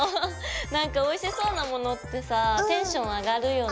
なんかおいしそうなものってさテンション上がるよね！